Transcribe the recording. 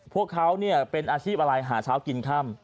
พวกเขาเป็นอาชีพอะไรหาเช้ากินค่ำ